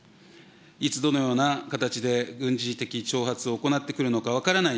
いつどのような形で軍事的挑発を行ってくるのか分からない